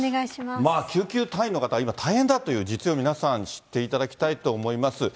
まあ救急隊員の方、今、大変だという実例を皆さん、知っていただきたいと思います。